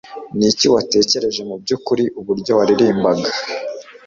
Ni iki watekereje mubyukuri uburyo yaririmbaga?